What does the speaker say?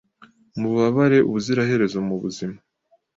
Mububabare ubuziraherezo mubuzima